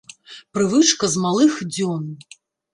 Прывычка з малых дзён.